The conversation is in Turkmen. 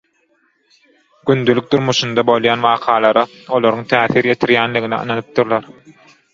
Gündelik durmuşynda bolýan wakalara olaryň täsir ýetirýänligine ynanypdyrlar.